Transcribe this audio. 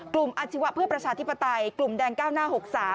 กลุ่มอัญชีวะเพื่อประชาธิปไตยกลุ่มแดงเก้าน่า๖๓